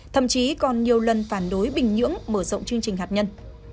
thậm chí còn nhiều lần phản đối bình nhưỡng mở rộng chương trình hạt nhân